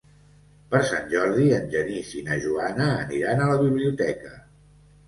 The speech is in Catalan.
Per Sant Jordi en Genís i na Joana aniran a la biblioteca.